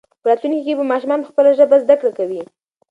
په راتلونکي کې به ماشومان په خپله ژبه زده کړه کوي.